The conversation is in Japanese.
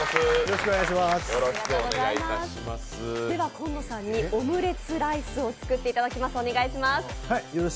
紺野さんにオムレツライスを作っていただきます。